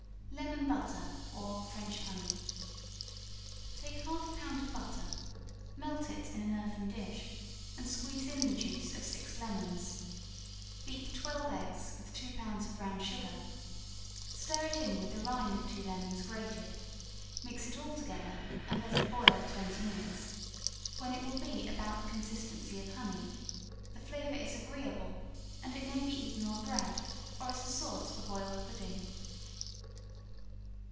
Lemon Butter or French Honey. Take half a pound of butter, melt it in an earthen dish and squeeze in the juice of six lemons; beat twelve eggs with two pounds of brown sugar, stir it in with the rind of two lemons grated, mix it all together, and let it boil twenty minutes, when it will be about the consistency of honey; the flavor is agreeable, and it may be eaten on bread, or as a sauce for boiled pudding.